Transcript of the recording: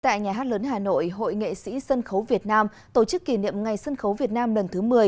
tại nhà hát lớn hà nội hội nghệ sĩ sân khấu việt nam tổ chức kỷ niệm ngày sân khấu việt nam lần thứ một mươi